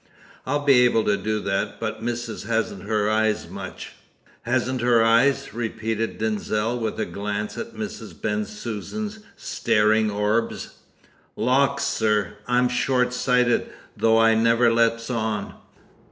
"I'll be able to do that, but missus hasn't her eyes much." "Hasn't her eyes?" repeated Denzil, with a glance at Mrs. Bensusan's staring orbs. "Lawks, sir, I'm shortsighted, though I never lets on.